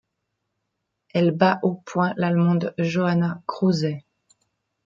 Elle bat aux points l'Allemande Johanna Kruse.